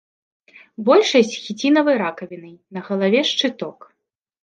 Большасць з хіцінавай ракавінай, на галаве шчыток.